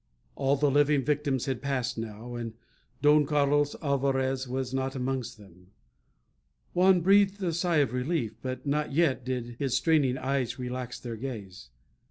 All the living victims had passed now. And Don Carlos Alvarez was not amongst them. Juan breathed a sigh of relief; but not yet did his straining eyes relax their gaze.